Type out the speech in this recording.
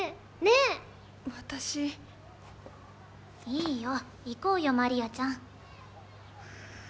いいよ行こうよマリアちゃん。